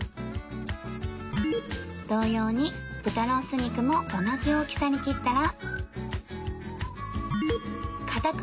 同様に豚ロース肉も同じ大きさに切ったら